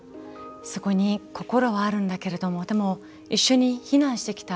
そこに心はあるんだけれどもでも一緒に避難してきた